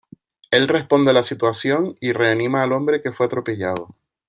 Él responde a la situación y reanima al hombre que fue atropellado.